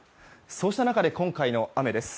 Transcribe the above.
そうした中で今回の雨です。